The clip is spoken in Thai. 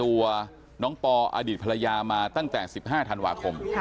ป้อหนองพี่อดิษฐ์ปรญญามาตั้งแต่๑๕ธันวาคม